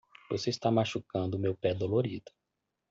Você está machucando meu pé dolorido.